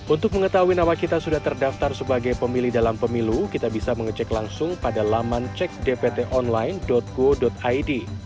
untuk mengetahui nama kita sudah terdaftar sebagai pemilih dalam pemilu kita bisa mengecek langsung pada laman cek dpt online go id